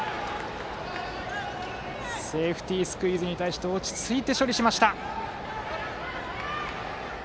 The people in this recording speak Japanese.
セーフティースクイズに対して落ち着いて処理しました。